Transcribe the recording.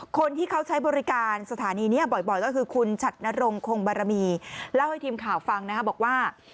คนที่เขาใช้บริการสถานีนี้บ่อยก็คือคุณฉัดนรงคงบารมีเล่าให้ทีมข่าวฟังนะครับบอกว่า